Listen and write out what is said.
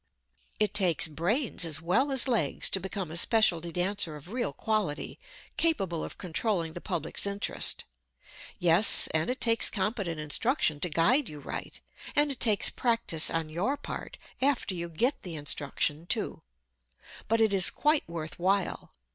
It takes brains as well as legs to become a specialty dancer of real quality, capable of controlling the public's interest. Yes, and it takes competent instruction to guide you right, and it takes practice on your part after you get the instruction, too. But it is quite worth while.